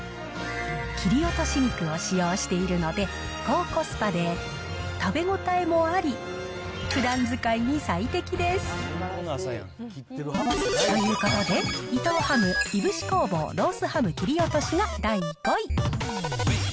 切り落とし肉を使用しているので、高コスパで食べ応えもあり、ふだん使いに最適です。ということで、伊藤ハム、燻工房ロースハム切り落としが第５位。